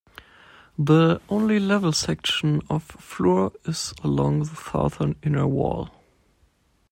The only level section of floor is along the southern inner wall.